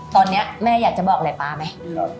ตอนนี้แม่อยากจะบอกอะไรป๊าไหม